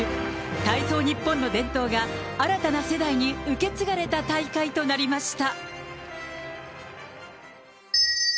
体操日本の伝統が、新たな世代に受け継がれた大会となりました。